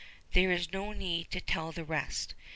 There is no need to tell the rest.